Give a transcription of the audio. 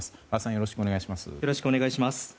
原さん、よろしくお願いします。